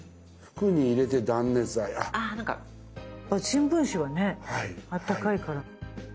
新聞紙はねあったかいから。